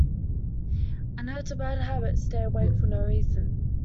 I know its a bad habit stay awake for no reason.